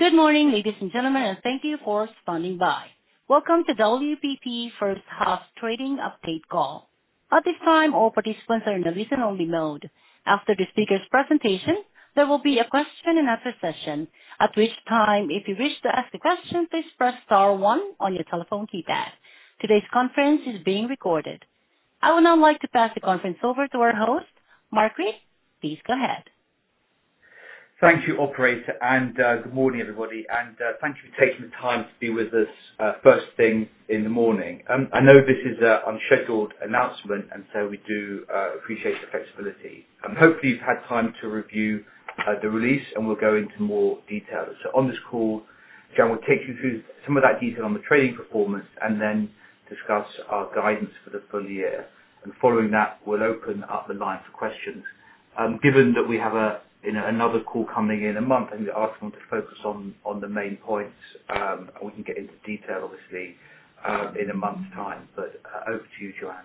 Good morning, ladies and gentlemen, and thank you for standing by. Welcome to WPP First Half Trading Update Call. At this time, all participants are in the listen-only mode. After the speaker's presentation, there will be a question and answer session, at which time, if you wish to ask a question, please press star one on your telephone keypad. Today's conference is being recorded. I would now like to pass the conference over to our host, Mark Read. Please go ahead. Thank you, Operator, and good morning, everybody. And thank you for taking the time to be with us first thing in the morning. I know this is an unscheduled announcement, and so we do appreciate the flexibility. Hopefully, you've had time to review the release, and we'll go into more detail. So on this call, Joanne will take you through some of that detail on the trading performance and then discuss our guidance for the full year. And following that, we'll open up the line for questions. Given that we have another call coming in a month, I'm going to ask them to focus on the main points. We can get into detail, obviously, in a month's time. But over to you, Joanne.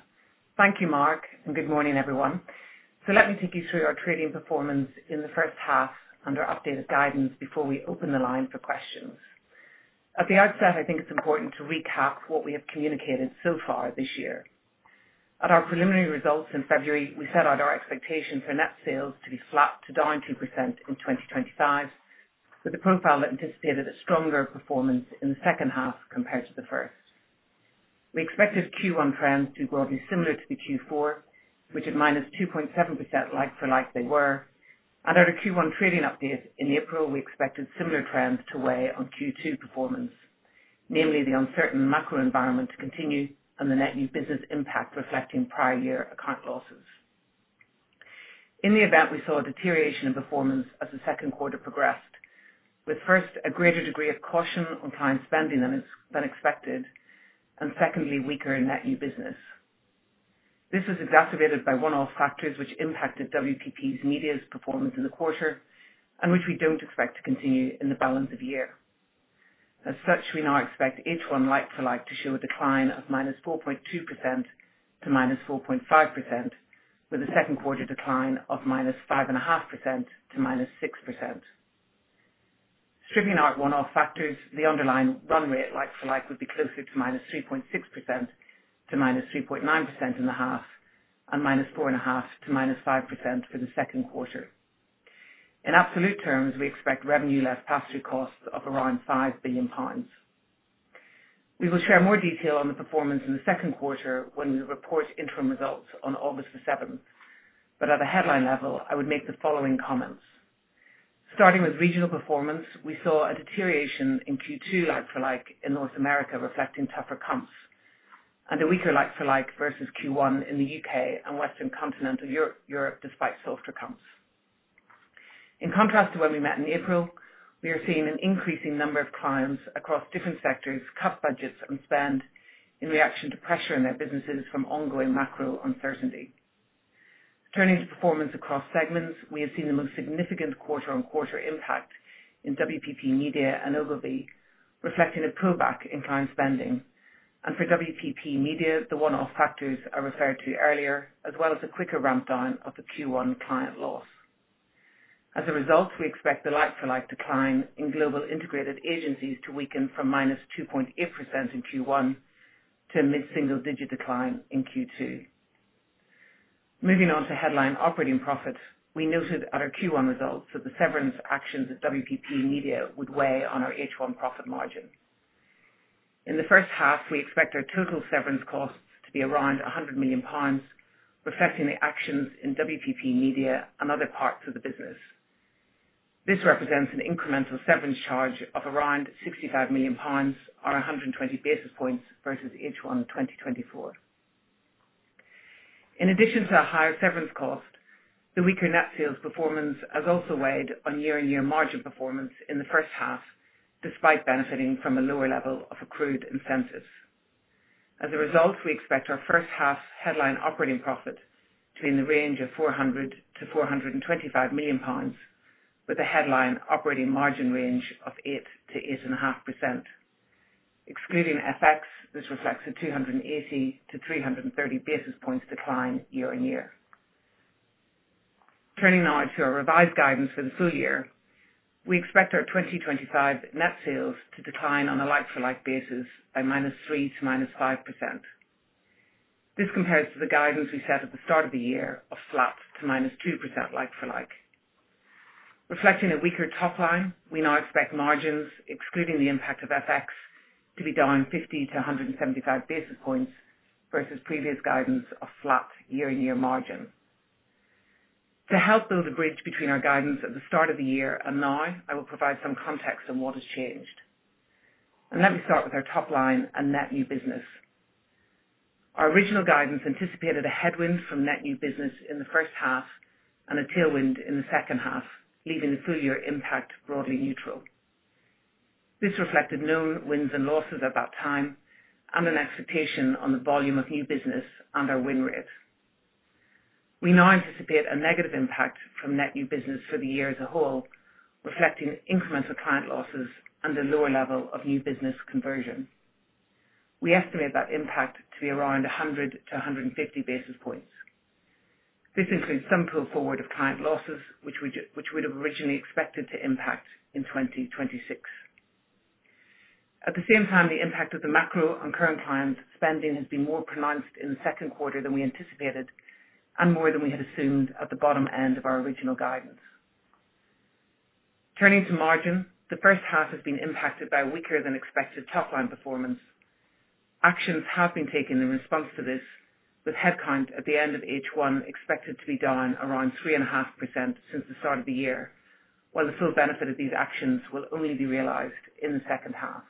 Thank you, Mark, and good morning, everyone. So let me take you through our trading performance in the first half under updated guidance before we open the line for questions. At the outset, I think it's important to recap what we have communicated so far this year. At our preliminary results in February, we set out our expectation for net sales to be flat to down 2% in 2025, with a profile that anticipated a stronger performance in the second half compared to the first. We expected Q1 trends to be broadly similar to the Q4, which had minus 2.7% like-for-like. They were. And at our Q1 trading update in April, we expected similar trends to weigh on Q2 performance, namely the uncertain macro environment to continue and the net new business impact reflecting prior year account losses. In the event, we saw a deterioration in performance as the second quarter progressed, with first, a greater degree of caution on client spending than expected, and secondly, weaker net new business. This was exacerbated by one-off factors which impacted WPP media's performance in the quarter and which we don't expect to continue in the balance of the year. As such, we now expect H1 like-for-like to show a decline of minus 4.2%-minus 4.5%, with a second quarter decline of minus 5.5%-minus 6%. Stripping out one-off factors, the underlying run rate like-for-like would be closer to minus 3.6%-minus 3.9% in the half and minus 4.5%-minus 5% for the second quarter. In absolute terms, we expect revenue-led pass-through costs of around 5 billion pounds. We will share more detail on the performance in the second quarter when we report interim results on August the 7th, but at a headline level, I would make the following comments. Starting with regional performance, we saw a deterioration in Q2 like for like in North America reflecting tougher comps and a weaker like for like versus Q1 in the UK and Western Continental Europe despite softer comps. In contrast to when we met in April, we are seeing an increasing number of clients across different sectors cut budgets and spend in reaction to pressure in their businesses from ongoing macro uncertainty. Turning to performance across segments, we have seen the most significant quarter-on-quarter impact in WPP media and Ogilvy reflecting a pullback in client spending, and for WPP media, the one-off factors I referred to earlier, as well as a quicker ramp-down of the Q1 client loss. As a result, we expect the like-for-like decline in global integrated agencies to weaken from minus 2.8% in Q1 to a mid-single-digit decline in Q2. Moving on to headline operating profit, we noted at our Q1 results that the severance actions at WPP media would weigh on our H1 profit margin. In the first half, we expect our total severance costs to be around £100 million reflecting the actions in WPP media and other parts of the business. This represents an incremental severance charge of around £65 million or 120 basis points versus H1 2024. In addition to a higher severance cost, the weaker net sales performance has also weighed on year-on-year margin performance in the first half despite benefiting from a lower level of accrued incentives. As a result, we expect our first half headline operating profit to be in the range of 400 million-425 million pounds with a headline operating margin range of 8%-8.5%. Excluding FX, this reflects a 280-330 basis points decline year-on-year. Turning now to our revised guidance for the full year, we expect our 2025 net sales to decline on a like for like basis by minus 3%-minus 5%. This compares to the guidance we set at the start of the year of flat to minus 2% like for like. Reflecting a weaker topline, we now expect margins, excluding the impact of FX, to be down 50-175 basis points versus previous guidance of flat year-on-year margin. To help build a bridge between our guidance at the start of the year and now, I will provide some context on what has changed. Let me start with our top line and net new business. Our original guidance anticipated a headwind from net new business in the first half and a tailwind in the second half, leaving the full year impact broadly neutral. This reflected known wins and losses at that time and an expectation on the volume of new business and our win rate. We now anticipate a negative impact from net new business for the year as a whole, reflecting incremental client losses and a lower level of new business conversion. We estimate that impact to be around 100-150 basis points. This includes some pull forward of client losses, which we would have originally expected to impact in 2026. At the same time, the impact of the macro on current client spending has been more pronounced in the second quarter than we anticipated and more than we had assumed at the bottom end of our original guidance. Turning to margin, the first half has been impacted by weaker-than-expected topline performance. Actions have been taken in response to this, with headcount at the end of H1 expected to be down around 3.5% since the start of the year, while the full benefit of these actions will only be realized in the second half.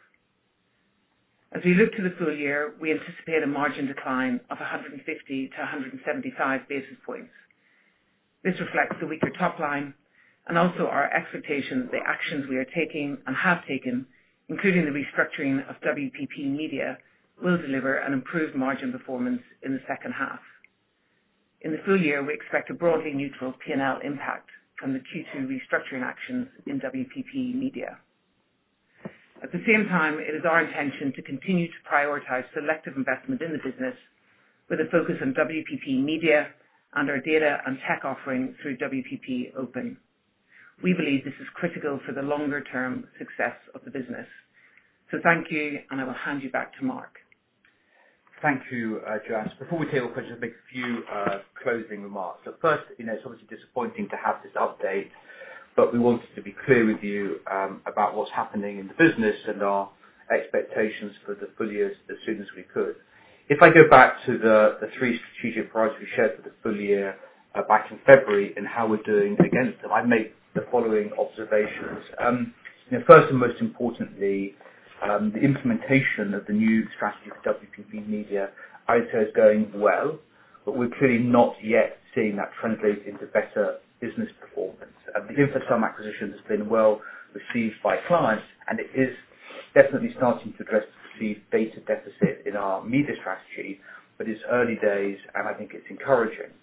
As we look to the full year, we anticipate a margin decline of 150-175 basis points. This reflects the weaker topline and also our expectation that the actions we are taking and have taken, including the restructuring of WPP media, will deliver an improved margin performance in the second half. In the full year, we expect a broadly neutral P&L impact from the Q2 restructuring actions in WPP media. At the same time, it is our intention to continue to prioritize selective investment in the business with a focus on WPP media and our data and tech offering through WPP Open. We believe this is critical for the longer-term success of the business. So thank you, and I will hand you back to Mark. Thank you, Joanne. Before we take all questions, I'll make a few closing remarks. First, it's obviously disappointing to have this update, but we wanted to be clear with you about what's happening in the business and our expectations for the full year as soon as we could. If I go back to the three strategic priorities we shared for the full year back in February and how we're doing against them, I'd make the following observations. First and most importantly, the implementation of the new strategy for WPP media I would say is going well, but we're clearly not yet seeing that translate into better business performance. The InfoSum acquisition has been well received by clients, and it is definitely starting to address the perceived data deficit in our media strategy, but it's early days, and I think it's encouraging.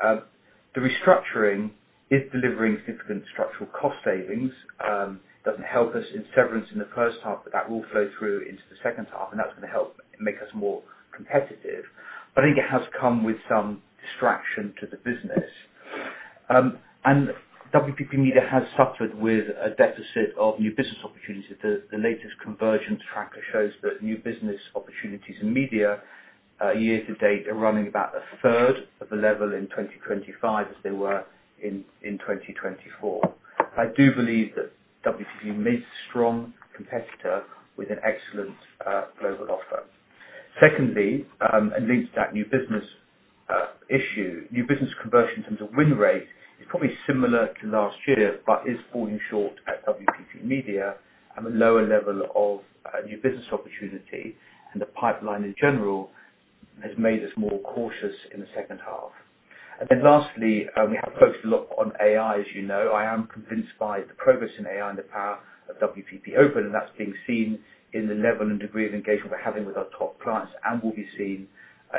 The restructuring is delivering significant structural cost savings. It doesn't help us in severance in the first half, but that will flow through into the second half, and that's going to help make us more competitive. But I think it has come with some distraction to the business. And WPP media has suffered with a deficit of new business opportunities. The latest COMvergence tracker shows that new business opportunities in media year to date are running about a third of the level in 2025 as they were in 2024. I do believe that WPP remains a strong competitor with an excellent global offer. Secondly, and linked to that new business issue, new business conversion in terms of win rate is probably similar to last year, but is falling short at WPP media and the lower level of new business opportunity. The pipeline in general has made us more cautious in the second half. Lastly, we have focused a lot on AI, as you know. I am convinced by the progress in AI and the power of WPP Open, and that's being seen in the level and degree of engagement we're having with our top clients and will be seen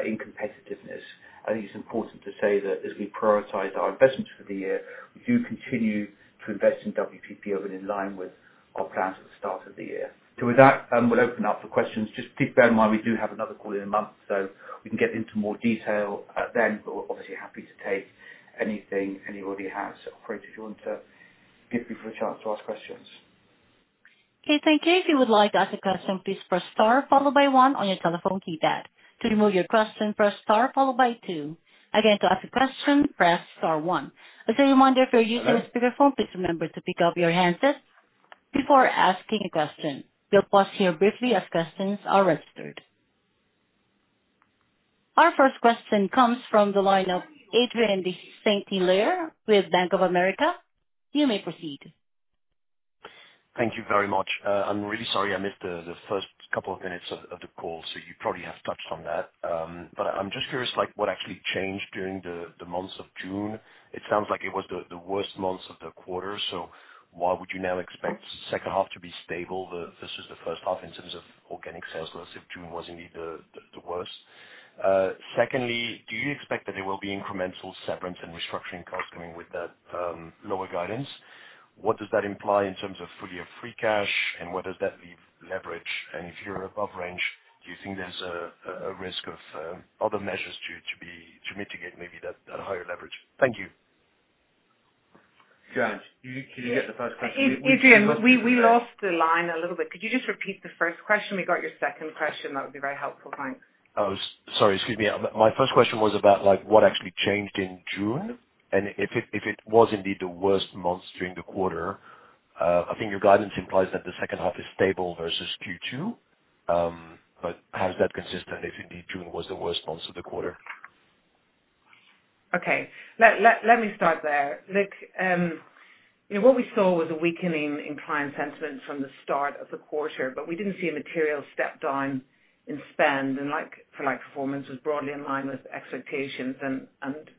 in competitiveness. I think it's important to say that as we prioritize our investments for the year, we do continue to invest in WPP Open in line with our plans at the start of the year. With that, we'll open up for questions. Just keep in mind we do have another call in a month, so we can get into more detail then, but we're obviously happy to take anything anybody has or if you want to give people a chance to ask questions. Okay. Thank you. If you would like to ask a question, please press star followed by one on your telephone keypad. To remove your question, press star followed by two. Again, to ask a question, press star one. As a reminder, if you're using a speakerphone, please remember to pick up your handset before asking a question. We'll pause here briefly as questions are registered. Our first question comes from the line of Adrien de Saint Hilaire with Bank of America. You may proceed. Thank you very much. I'm really sorry I missed the first couple of minutes of the call, so you probably have touched on that. But I'm just curious what actually changed during the months of June. It sounds like it was the worst months of the quarter, so why would you now expect the second half to be stable versus the first half in terms of organic sales loss if June was indeed the worst? Secondly, do you expect that there will be incremental severance and restructuring costs coming with that lower guidance? What does that imply in terms of fully or free cash, and where does that leave leverage? And if you're above range, do you think there's a risk of other measures to mitigate maybe that higher leverage? Thank you. Joanne, can you get the first question? Adrien, we lost the line a little bit. Could you just repeat the first question? We got your second question. That would be very helpful. Thanks. Oh, sorry. Excuse me. My first question was about what actually changed in June and if it was indeed the worst month during the quarter. I think your guidance implies that the second half is stable versus Q2, but how is that consistent if indeed June was the worst month of the quarter? Okay. Let me start there. Look, what we saw was a weakening in client sentiment from the start of the quarter, but we didn't see a material step down in spend, and like-for-like performance was broadly in line with expectations and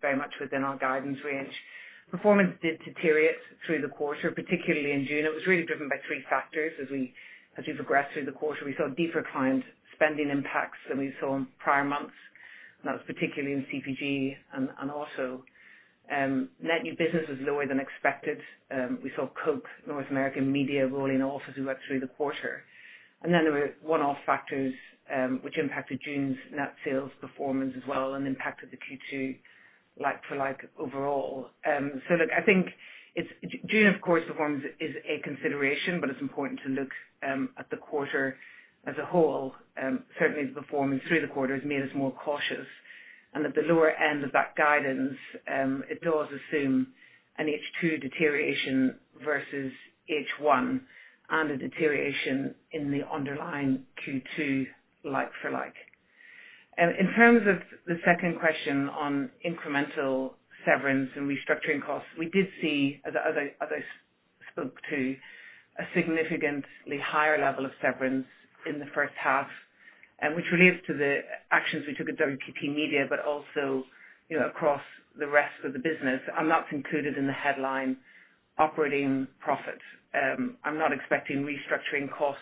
very much within our guidance range. Performance did deteriorate through the quarter, particularly in June. It was really driven by three factors as we progressed through the quarter. We saw deeper client spending impacts than we saw in prior months, and that was particularly in CPG and auto. Net new business was lower than expected. We saw Coke North American media rolling off as we went through the quarter. And then there were one-off factors which impacted June's net sales performance as well and impacted the Q2 like-for-like overall. So look, I think June, of course, performance is a consideration, but it's important to look at the quarter as a whole. Certainly, the performance through the quarter has made us more cautious, and at the lower end of that guidance, it does assume an H2 deterioration versus H1 and a deterioration in the underlying Q2 like-for-like. In terms of the second question on incremental severance and restructuring costs, we did see, as I spoke to, a significantly higher level of severance in the first half, which relates to the actions we took at WPP media, but also across the rest of the business. And that's included in the headline operating profit. I'm not expecting restructuring costs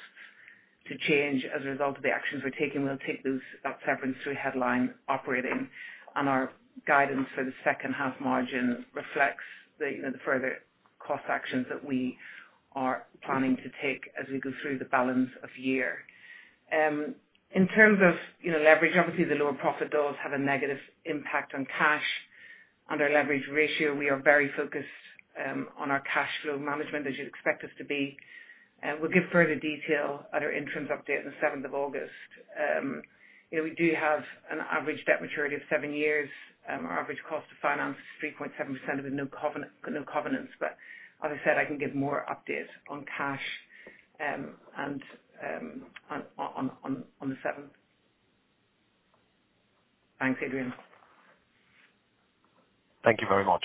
to change as a result of the actions we're taking. We'll take that severance through headline operating, and our guidance for the second half margin reflects the further cost actions that we are planning to take as we go through the balance of the year. In terms of leverage, obviously, the lower profit does have a negative impact on cash under leverage ratio. We are very focused on our cash flow management, as you'd expect us to be. We'll give further detail at our interim update on the 7th of August. We do have an average debt maturity of seven years. Our average cost of finance is 3.7% with no covenants, but as I said, I can give more updates on cash and on the 7th. Thanks, Adrien. Thank you very much.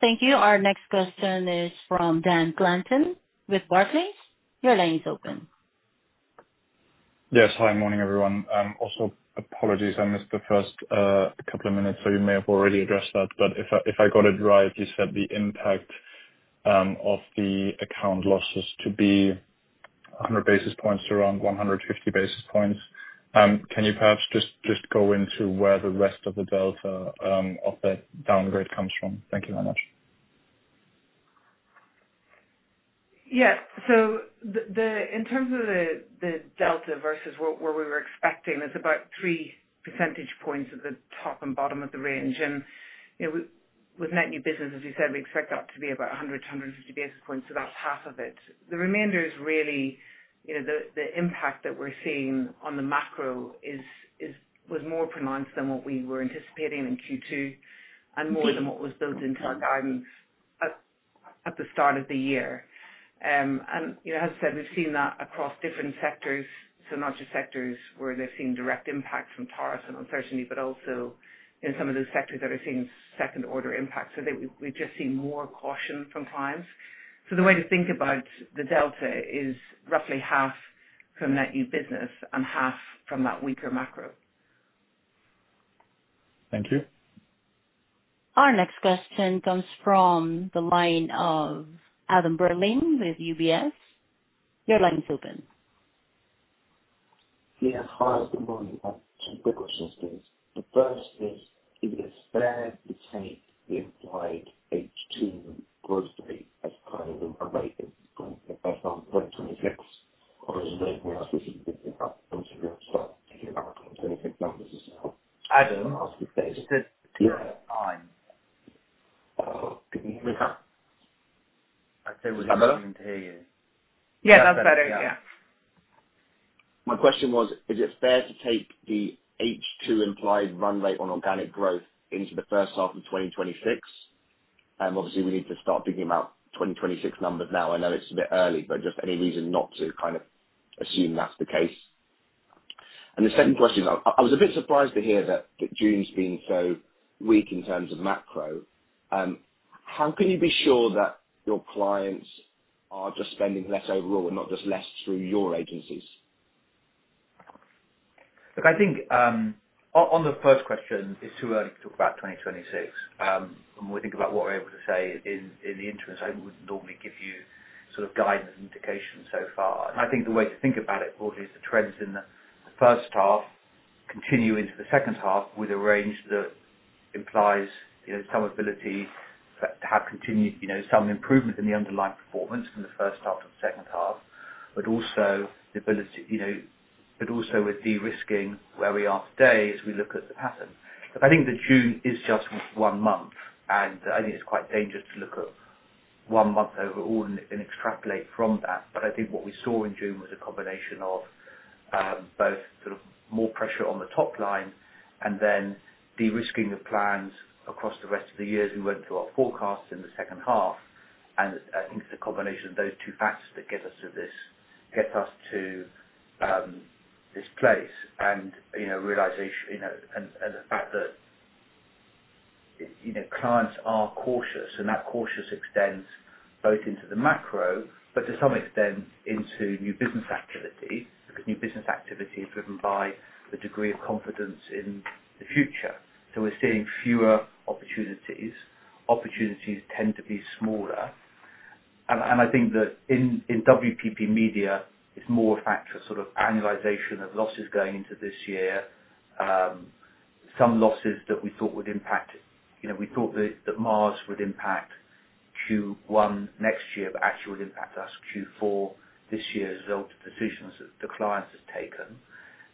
Thank you. Our next question is from Dan Glanton with Barclays. Your line is open. Yes. Hi, morning, everyone. Also, apologies I missed the first couple of minutes, so you may have already addressed that, but if I got it right, you said the impact of the account losses to be 100 basis points to around 150 basis points. Can you perhaps just go into where the rest of the delta of that downgrade comes from? Thank you very much. Yeah. So in terms of the delta versus what we were expecting, it's about three percentage points at the top and bottom of the range. And with net new business, as you said, we expect that to be about 100 to 150 basis points, so that's half of it. The remainder is really the impact that we're seeing on the macro was more pronounced than what we were anticipating in Q2 and more than what was built into our guidance at the start of the year. And as I said, we've seen that across different sectors, so not just sectors where they've seen direct impact from tariffs and uncertainty, but also in some of those sectors that are seeing second-order impacts. So we've just seen more caution from clients. So the way to think about the delta is roughly half from net new business and half from that weaker macro. Thank you. Our next question comes from the line of Adam Berlin with UBS. Your line is open. Yes. Hi, good morning. I have two quick questions, please. The first is, is it fair to take the implied H2 growth rate as part of the rate that's on 2026, or is it really more specifically about once we start taking out 2026 numbers as well? Adam, can you hear me? I'd say we're good. I'm not able to hear you. Yeah, that's better. Yeah. My question was, is it fair to take the H2 implied run rate on organic growth into the first half of 2026? Obviously, we need to start thinking about 2026 numbers now. I know it's a bit early, but just any reason not to kind of assume that's the case. And the second question, I was a bit surprised to hear that June's been so weak in terms of macro. How can you be sure that your clients are just spending less overall and not just less through your agencies? Look, I think on the first question, it's too early to talk about 2026. When we think about what we're able to say in the interim, I wouldn't normally give you sort of guidance and indication so far. And I think the way to think about it probably is the trends in the first half continue into the second half with a range that implies some ability to have continued some improvement in the underlying performance from the first half to the second half, but also the ability but also with de-risking where we are today as we look at the pattern. But I think that June is just one month, and I think it's quite dangerous to look at one month overall and extrapolate from that. But I think what we saw in June was a combination of both sort of more pressure on the top line and then de-risking of plans across the rest of the year as we went through our forecast in the second half. And I think it's a combination of those two factors that get us to this place and realization and the fact that clients are cautious, and that cautious extends both into the macro, but to some extent into new business activity because new business activity is driven by the degree of confidence in the future. So we're seeing fewer opportunities. Opportunities tend to be smaller. And I think that in WPP media, it's more a factor of sort of annualization of losses going into this year. Some losses that we thought that Mars would impact Q1 next year, but actually would impact us Q4 this year as a result of decisions that the clients have taken,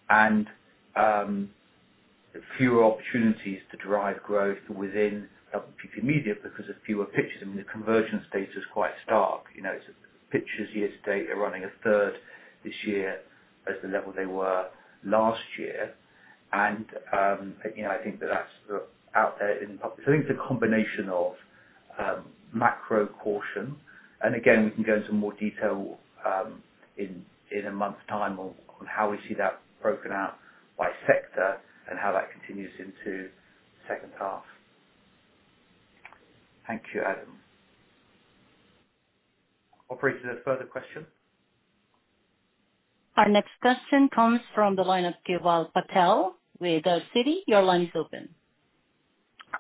and fewer opportunities to drive growth within WPP media because of fewer pitches. I mean, the conversion rate is quite stark. It's pitches year to date are running a third this year as the level they were last year, and I think that that's out there in the public, so I think it's a combination of macro caution, and again, we can go into more detail in a month's time on how we see that broken out by sector and how that continues into the second half. Thank you, Adam. Operators, any further questions? Our next question comes from the line of Keval Patel with Citi. Your line is open.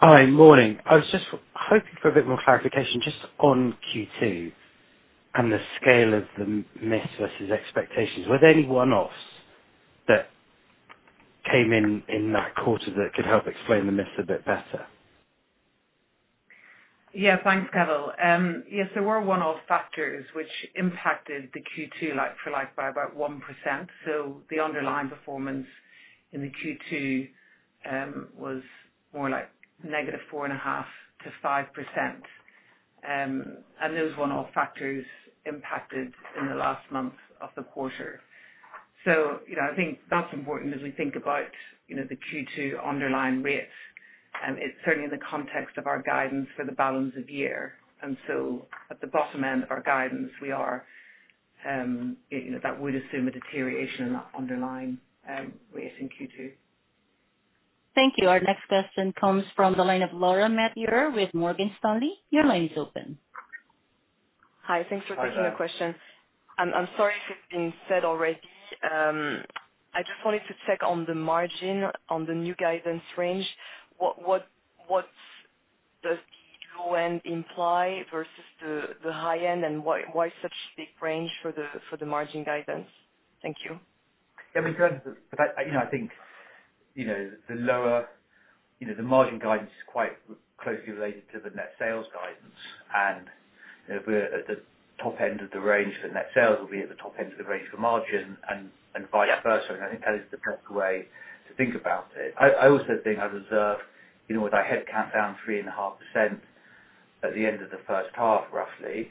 Hi, morning. I was just hoping for a bit more clarification just on Q2 and the scale of the miss versus expectations. Were there any one-offs that came in that quarter that could help explain the miss a bit better? Yeah. Thanks, Keval. Yes, there were one-off factors which impacted the Q2 like for like by about 1%. So the underlying performance in the Q2 was more like negative 4.5%-5%. And those one-off factors impacted in the last month of the quarter. So I think that's important as we think about the Q2 underlying rates. It's certainly in the context of our guidance for the balance of year. And so at the bottom end of our guidance, we are that would assume a deterioration in that underlying rate in Q2. Thank you. Our next question comes from the line of Laura Metayer with Morgan Stanley. Your line is open. Hi. Thanks for taking the question. I'm sorry if it's been said already. I just wanted to check on the margin on the new guidance range. What does the low end imply versus the high end, and why such a big range for the margin guidance? Thank you. Yeah, we could. But I think the lower the margin guidance is quite closely related to the net sales guidance. And if we're at the top end of the range for net sales, we'll be at the top end of the range for margin and vice versa. And I think that is the best way to think about it. I also think I'd observe with our headcount down 3.5% at the end of the first half, roughly,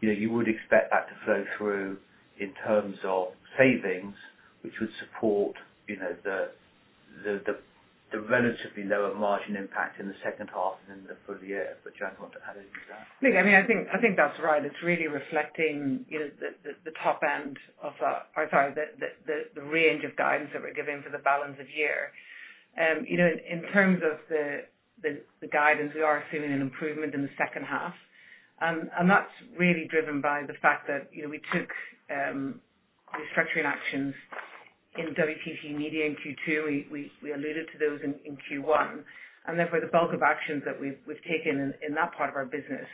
you would expect that to flow through in terms of savings, which would support the relatively lower margin impact in the second half and in the full year. But do you want to add anything to that? Look, I mean, I think that's right. It's really reflecting the top end of our sorry, the range of guidance that we're giving for the balance of year. In terms of the guidance, we are seeing an improvement in the second half, and that's really driven by the fact that we took restructuring actions in WPP media in Q2. We alluded to those in Q1, and therefore, the bulk of actions that we've taken in that part of our business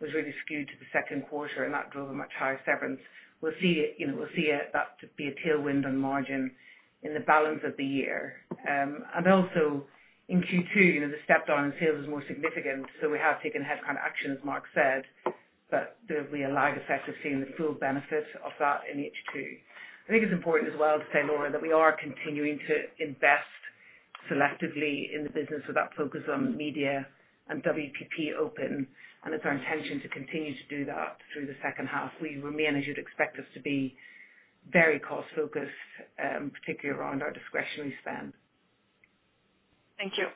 was really skewed to the second quarter, and that drove a much higher severance. We'll see that to be a tailwind on margin in the balance of the year, and also, in Q2, the step down in sales is more significant, so we have taken headcount action, as Mark said, but there'll be a lag effect of seeing the full benefit of that in H2. I think it's important as well to say, Laura, that we are continuing to invest selectively in the business with that focus on media and WPP Open, and it's our intention to continue to do that through the second half. We remain, as you'd expect us to be, very cost-focused, particularly around our discretionary spend. Thank you.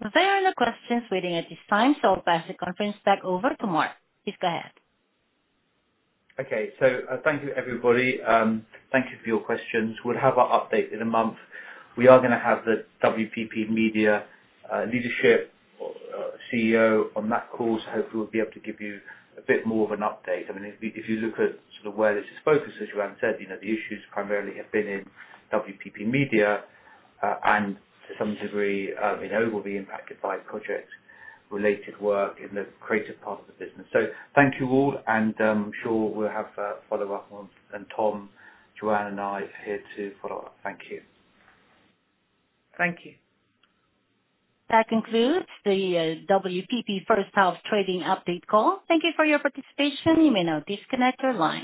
There are no questions waiting at this time, so I'll pass the conference back over to Mark. Please go ahead. Okay, so thank you, everybody. Thank you for your questions. We'll have our update in a month. We are going to have the WPP media leadership CEO on that call, so hopefully, we'll be able to give you a bit more of an update. I mean, if you look at sort of where this is focused, as Joanne said, the issues primarily have been in WPP media and to some degree overall they're impacted by project-related work in the creative part of the business. So thank you all, and I'm sure we'll have a follow-up when Tom, Joanne, and I are here to follow up. Thank you. Thank you. That concludes the WPP first half trading update call. Thank you for your participation. You may now disconnect or line.